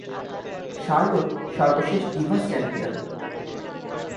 Charlotte সর্বশেষ divas champion.